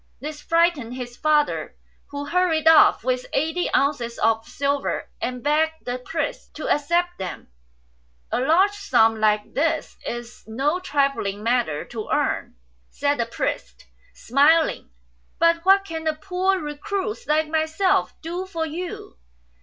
This frightened his father, who hurried off with eighty ounces of silver, and begged the priest to accept them. " A large sum like this is no trifling matter to earn," said the priest, smiling ;'' but what can a poor recluse like myself do for you?"